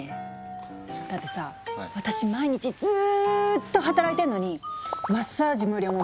だってさ私毎日ずっと働いてるのにマッサージ無料も！